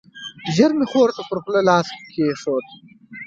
ژر مې خور ورته پر خوله لاس کېښود.